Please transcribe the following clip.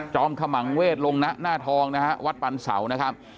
ขมังเวทลงนะหน้าทองนะฮะวัดปันเสานะครับ